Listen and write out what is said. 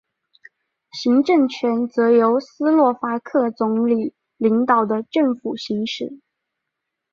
行政权则由斯洛伐克总理领导的政府行使。